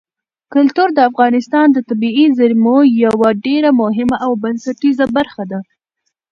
کلتور د افغانستان د طبیعي زیرمو یوه ډېره مهمه او بنسټیزه برخه ده.